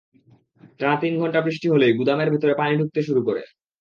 টানা তিন ঘণ্টা বৃষ্টি হলেই গুদামের ভেতরে পানি ঢুকতে শুরু করে।